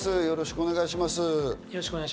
よろしくお願いします。